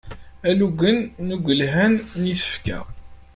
Alugen n uwgelhen n isefka.